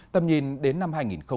tầm nhìn đến năm hai nghìn bốn mươi năm